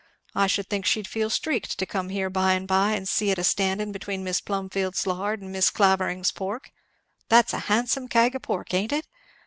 I should think she'd feel streaked to come here by and by and see it a standing between Mis' Plumfield's lard and Mis' Clavering's pork that's a handsome kag of pork, ain't it?